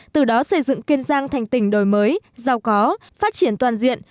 từ đó xây dựng kiên giang thành tỉnh đổi mới giàu có phát triển toàn diện